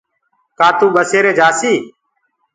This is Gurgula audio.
ڪآ تو ٻسيري جآسي؟